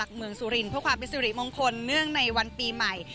เพราะความเป็นสุริมงคลเนื่องในวันปีใหม่